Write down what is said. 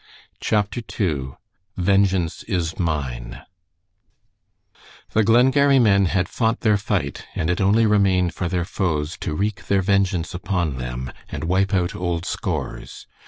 CHAPTER II VENGEANCE IS MINE The Glengarry men had fought their fight, and it only remained for their foes to wreak their vengeance upon them and wipe out old scores.